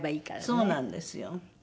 そうなんですよ。